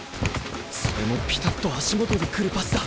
それもピタッと足元に来るパスだ！